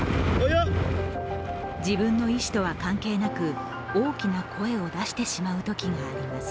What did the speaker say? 自分の意思とは関係なく大きな声を出してしまうときがあります。